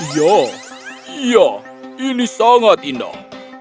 ya ya ini sangat indah